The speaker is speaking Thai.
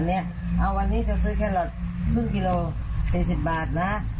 วันนี้จะซื้อแค่ครึ่งกิโล๔๐บาทนะ